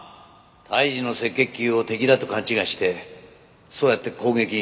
胎児の赤血球を敵だと勘違いしてそうやって攻撃に出る。